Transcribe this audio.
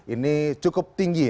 ini cukup tinggi